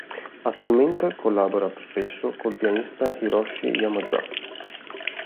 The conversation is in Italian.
Attualmente collabora spesso col pianista Hiroshi Yamazaki.